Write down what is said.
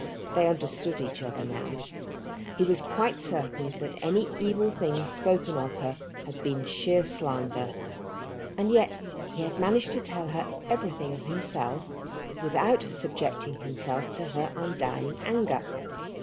They understood each other now. He was quite certain that any evil thing spoken of her had been sheer slander, and yet he had managed to tell her everything of himself without subjecting himself to her undying anger.